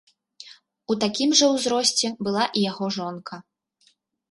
У такім жа ўзросце была і яго жонка.